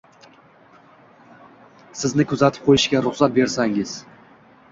Sizni kuzatib qo'yishga ruxsat bersangiz.